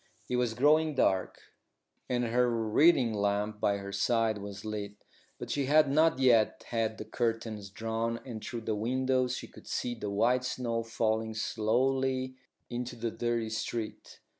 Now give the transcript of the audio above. It was growing dark, and her reading lamp by her side was lit; but she had not yet had the curtains drawn, and through the windows she could see the white snow falling slowly into the dirty street.